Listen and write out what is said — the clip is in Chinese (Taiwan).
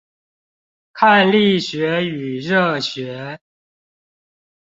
看力學與熱學